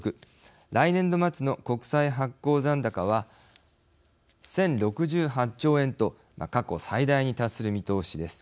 来年度末の国債発行残高は１０６８兆円と過去最大に達する見通しです。